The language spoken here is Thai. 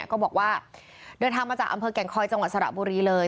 ก็บอกว่าเดินทางมาจากอำเภอแก่งคอยจังหวัดสระบุรีเลย